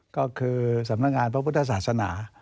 ก็คือสำนักงานพระพุทธศาสนา